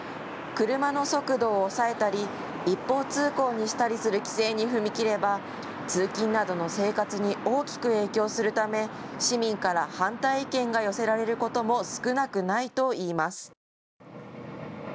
車の速度を抑えたり一方通行にしたりする規制に踏み切れば、通勤などの生活に大きく影響するため市民から反対意見が寄せられることも少なくないといいます。